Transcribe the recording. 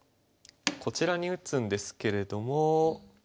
こちらに打つんですけれども。